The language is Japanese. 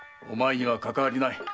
お前にはかかわりない。